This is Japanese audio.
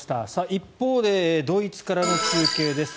一方で、ドイツからの中継です。